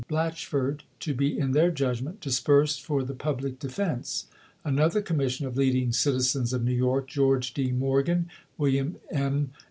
Blatchford, to be in their judgment disbursed for the public de fense; another commission of leading citizens of 138 ABRAHAM LINCOLN ciiAP. VII. New York, George D. Morgan, William M.